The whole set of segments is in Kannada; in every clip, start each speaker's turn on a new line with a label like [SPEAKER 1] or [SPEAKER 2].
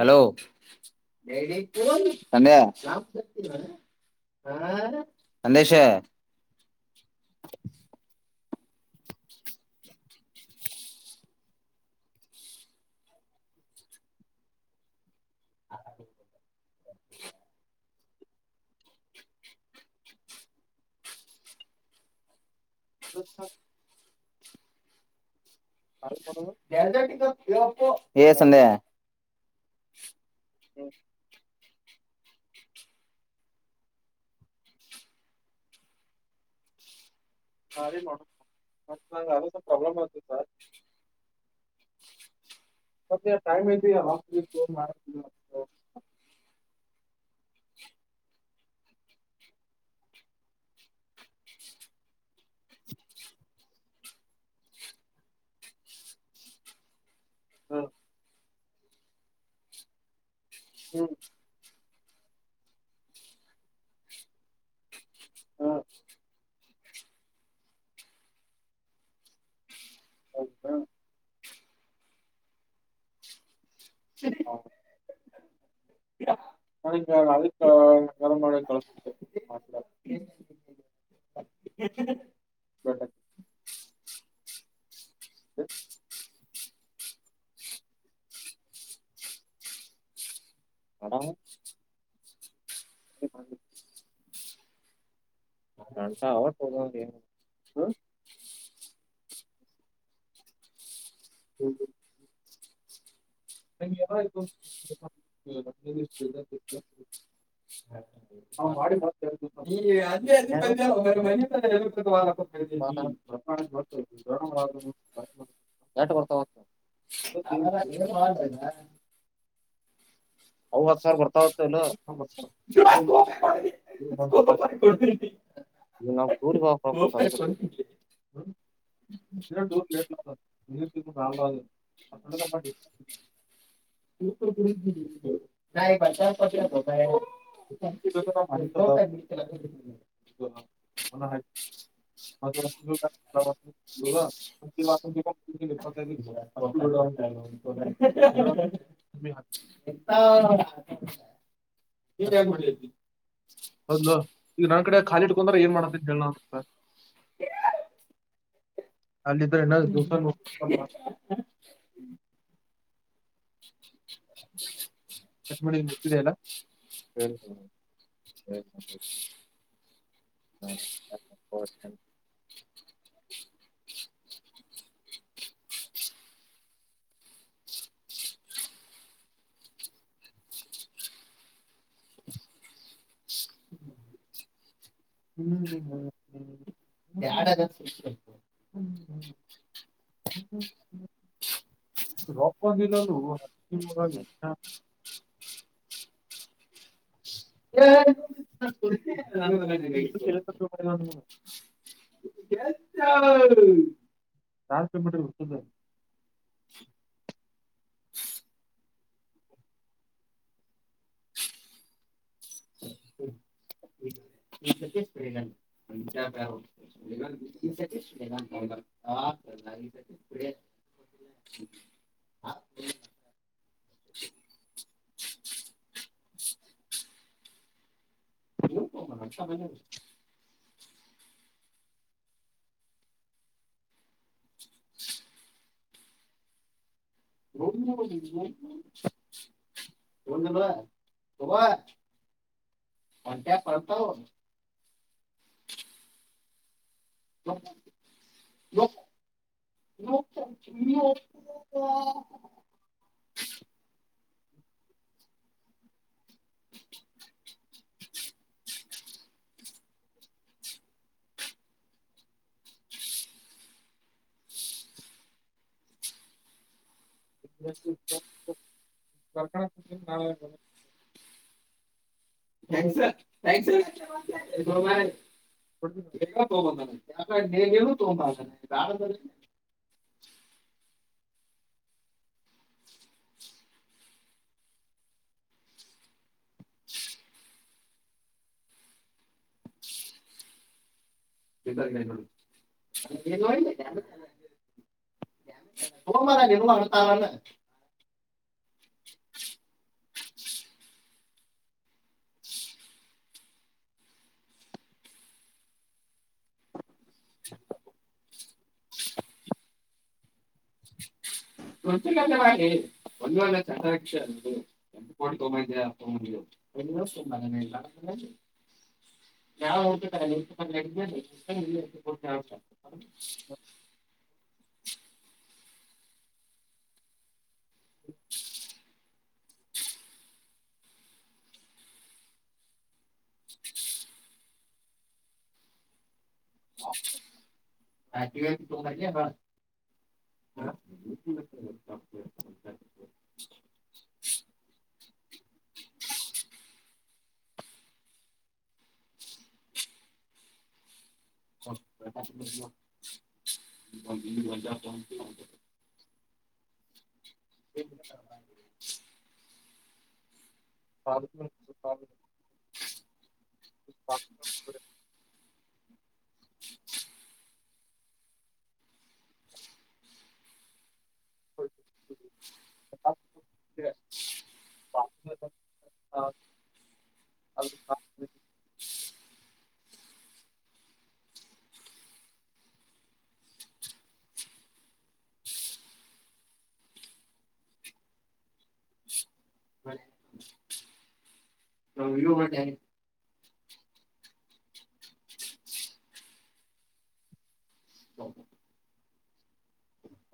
[SPEAKER 1] ಹಲೋ ಯ ಅಂದೇಶ ಹ
[SPEAKER 2] ಅತ್ತ ಪ್ರಾಬ್ಲಮ್
[SPEAKER 1] ಏ ಸಂಧ್ಯಾ
[SPEAKER 2] ಹ್ಮ ನಾರಿ ಮಾಡ ಮ ನ ಯ ಪ್ರಬ್ಲಮ ಬಂತು ಸರ್ ಅತ್ತ ಮ [unintelligible] ಹ್ಮ ಹ್ಮ್ ಹೌದಾ ಹ ನ ಅದಕ್ಕೆ ವರಮ ಕಳಸ [unintelligible] ಹ ಹಡ ಹ ಟಾ ಅವ ಹ [unintelligible] ಹೌ [inaudible] ಅವ್ ಮಾಡಿ
[SPEAKER 1] ಹ
[SPEAKER 2] ಮತ್ತೆ ಎರಡು ದಿವಸ
[SPEAKER 1] ಈ ಅದೇ ಅದ
[SPEAKER 2] ಏನೋ
[SPEAKER 1] ಬಂದ ಮ ಮನ ತರ ಎರ್ತದೆ ವ ನೀ [unintelligible]
[SPEAKER 2] ಎಟ ಬರ್ತ
[SPEAKER 1] ಹ ಏನ ಮಾಡ [unintelligible]
[SPEAKER 2] ಅವ್ಹತ್ಮಾರ್ ಬರ್ತಾವತ್ತು ಎಲ್ಲ
[SPEAKER 1] ಸ್ ತಪ ಕೊತ [unintelligible]
[SPEAKER 2] ಇವಾಗ್ ನಾವ್ ಟೂರಿಗೆ ಕಲ್ಸ್ಬೇಕು ಅದುಕ್ಕೆ ನೀತಿೂಡ ನಲ್ಲಡುಾ [unintelligible]
[SPEAKER 1] ಇ ನ ಬ ಚಾರ್ ಪಚತತ [unintelligible] [inaudible]
[SPEAKER 2] ಒ ಹ [inaudible] [inaudible]
[SPEAKER 1] ಾತಾ [inaudible] [unintelligible]
[SPEAKER 2] ಹೌದು ಈಗ ನನ್ ಕಡೆ ಖಾಲಿ ಇಟ್ಕೊಂಡ್ರೆ ಏನ್ ಮಾಡದಂತಿತೆ ಹೇಳ್ ಅಲ್ಲಿದ್ರೆ ಎನ್ನರ್ ದಿವಸ
[SPEAKER 1] [inaudible]
[SPEAKER 2] ಕಟ್ ಮಾಡಿಟ್ಟಿದೆ ಅಲ್ಲ ಹ್ಮ ಹ್ಮ್ ಹ್ಮ್ ಹ್ಮ್
[SPEAKER 1] ಎದ [inaudible]
[SPEAKER 2] ಹ್ಮ್ ಹ್ಮ್ಮ ರೊಪ್ಪದಿರಲು ಹಸಿಮರನ್ನ
[SPEAKER 1] ಹ ಅಳ್
[SPEAKER 2] ಇದು ಕೆಲಸ ಮಾಡಿದ
[SPEAKER 1] [inaudible] ತ
[SPEAKER 2] ನಾಲ್ಕ್ ಕಲಮೀಟರ್ ಉಂಟದು
[SPEAKER 1] ಈ ಕಗ [inaudible] ಹ್ಮ್ಮ್. [unintelligible] ಹ್ಮ್ಮ್.
[SPEAKER 2] ಹ್ಮ್ಮ್. [inaudible]
[SPEAKER 1] ಇ ಬ [unintelligible] ರ [inaudible] ಹ ಒಂಟ್ಯಾ ಪತ [unintelligible] ಹ [inaudible] ನೀ [unintelligible]
[SPEAKER 2] ಹ್ಮ್ಮ್. [inaudible] ಹ್ಮ್ಮ್. [inaudible]
[SPEAKER 1] ್ಯಾ ್ಯಾ [inaudible]
[SPEAKER 2] ಕೊಡ್ತೀನಿ,
[SPEAKER 1] ೇ ನೀ ತಊ ಬಾಸ ಬರ [inaudible] ಇ ಹ ಮಾರ ಅ ತ್ಣ
[SPEAKER 2] ಹ್ಮ್
[SPEAKER 1] ಒಂದ ಅಲ್ಲ ಚಕ್ಷ ಕ ತಗ ತ ಎ
[SPEAKER 2] ಅದು
[SPEAKER 1] ದಿವಸ ಅಲ್ಲ ಅ ಯಾವ
[SPEAKER 2] ಹ್ಮ್ಮ್. [inaudible] ಹ್ಮ್
[SPEAKER 1] ಆಟಿವ ತತ
[SPEAKER 2] ಹ ಹ್ಮ್.
[SPEAKER 1] ಸ ಹ್ಮ್ ಹ್ಮ್.
[SPEAKER 2] ಹ್ಮ್. ಹ್ಮ್ ಹಾ ಅ
[SPEAKER 1] ಹೌ ಇ ಮ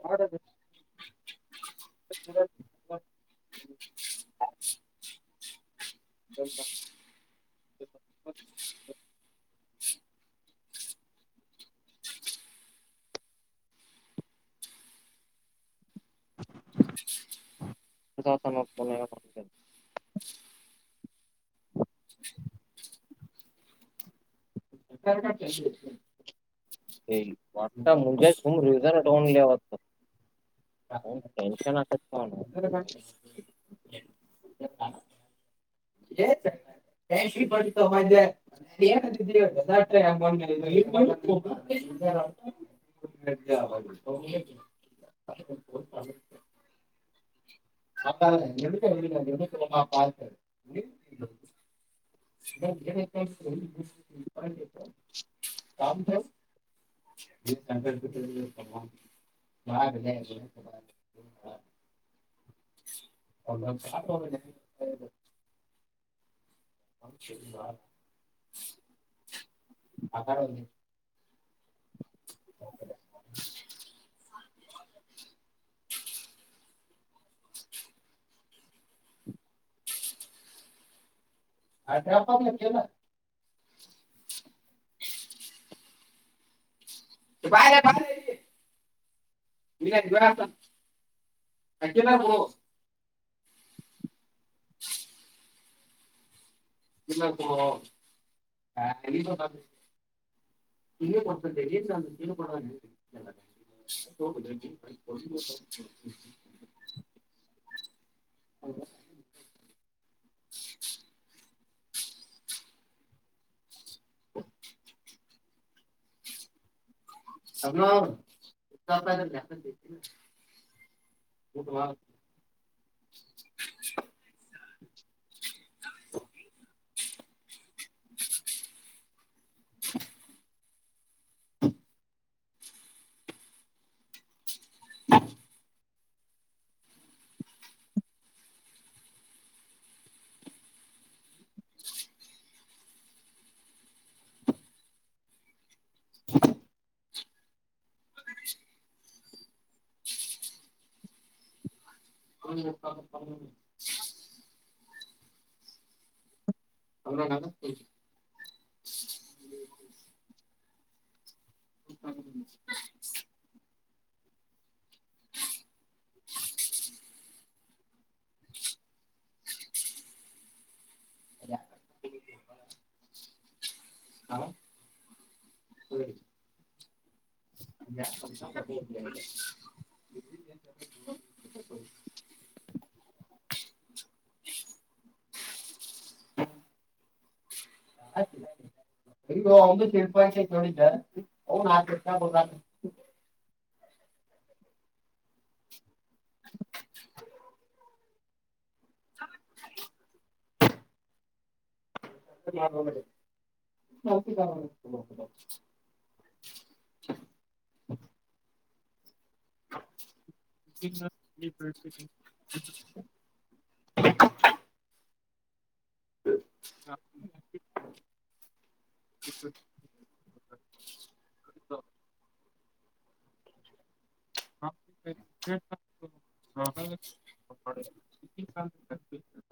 [SPEAKER 2] ಹೌದದು ಹ್ಮ್ ಹ ಪ್ರಜಾ ತಮ ಪನ ಮ [inaudible]
[SPEAKER 1] ಕ ಕ ಶ [inaudible]
[SPEAKER 2] ಹ ಮಾಡ ಮುಂಜೆ ತು ರಜರ್ ಟ ಒನ್ ಲವ [inaudible] ೆ ಆ [unintelligible]
[SPEAKER 1] ಹ ಎ ಕ ಮ ಹ್ಮ್ ಅ ಎಕ್ಕೆ ಎ ಸಲಮ ಪತ ಕ ಕ ಸಂಕ [inaudible] ಹಾ ಅ ಆಕಾರ ಅ ರ ಅಪ್ಪಪಲ ಕೆಲ್ಲ ಬರೆ ಬ ನೀ ಅ ಅಜಜನ ಇಲ್ಲ ಹ ನೀ ಹೀಗ ಕೊಡ್ತದೆ ಏನ್ ಕೊಡರ್ ಹೌ ಹ್ರ [unintelligible]
[SPEAKER 2] [unintelligible]
[SPEAKER 1] [unintelligible] [unintelligible] [unintelligible] [unintelligible] [unintelligible]
[SPEAKER 2] [unintelligible] ಹ [unintelligible] ಹ ಹ